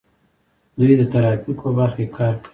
دوی د ترافیکو په برخه کې کار کوي.